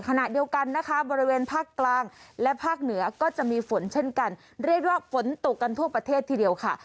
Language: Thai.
ขณะเดียวกันนะคะบริเวณภาคกลางและภาคเหนือก็จะมีฝนเช่นกันเรียกว่าฝนตกกันทั่วประเทศทีเดียวค่ะ